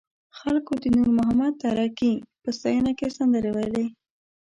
خلکو د نور محمد تره کي په ستاینه کې سندرې ویلې.